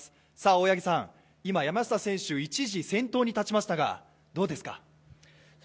大八木さん、今、山下選手、一時先頭に立ちましたがどうですか。